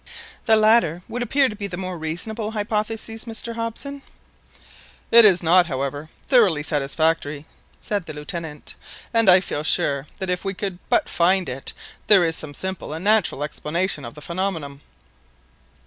"The latter would appear to be the more reasonable hypothesis, Mr Hobson." "It is not, however, thoroughly satisfactory," said the Lieutenant, "and I feel sure that if we could but find it, there is some simple and natural explanation of the phenomenon."